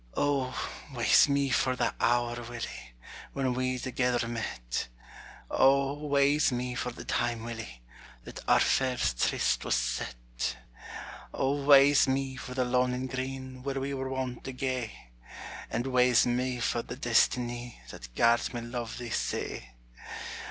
O, wae's me for the hour, Willie, When we thegither met, O, wae's me for the time, Willie, That our first tryst was set! O, wae's me for the loanin' green Where we were wont to gae, And wae's me for the destinie That gart me luve thee sae!